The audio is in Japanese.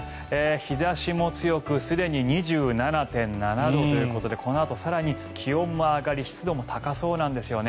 日差しも強くすでに２７．７度ということでこのあと更に気温も上がり湿度も高そうなんですよね。